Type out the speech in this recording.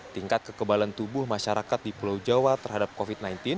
tingkat kekebalan tubuh masyarakat di pulau jawa terhadap covid sembilan belas